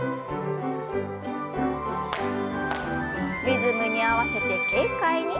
リズムに合わせて軽快に。